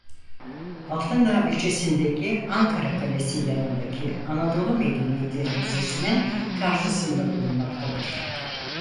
Altındağ ilçesindeki Ankara Kalesi yanındaki Anadolu Medeniyetleri Müzesinin karşısında bulunmaktadır.